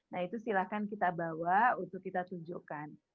nah itu silahkan kita bawa untuk kita tunjukkan